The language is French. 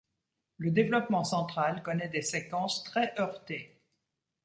Le développement central connaît des séquences très heurtées.